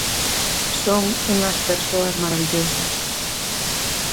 Son unhas persoas marabillosas.